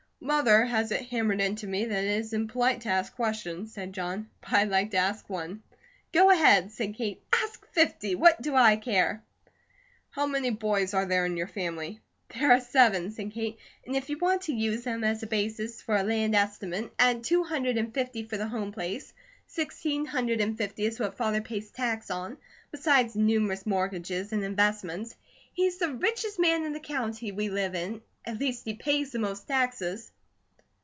"Mother has it hammered into me that it isn't polite to ask questions," said John, "but I'd like to ask one." "Go ahead," said Kate. "Ask fifty! What do I care?" "How many boys are there in your family?" "There are seven," said Kate, "and if you want to use them as a basis for a land estimate add two hundred and fifty for the home place. Sixteen hundred and fifty is what Father pays tax on, besides the numerous mortgages and investments. He's the richest man in the county we live in; at least he pays the most taxes."